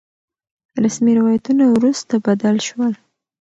رسمي روايتونه وروسته بدل شول.